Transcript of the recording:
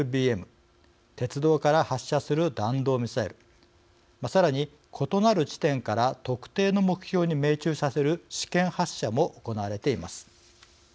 鉄道から発射する弾道ミサイルさらに異なる地点から特定の目標に命中させる試験発射も行われています。